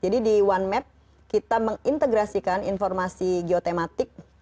jadi di one map kita mengintegrasikan informasi geotematik